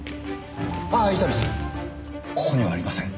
ああ伊丹さん